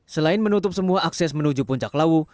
selain menutup semua akses menuju puncak lawu